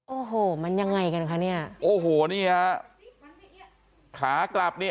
โอ้โหมันยังไงกันคะเนี่ยโอ้โหนี่ฮะขากลับนี่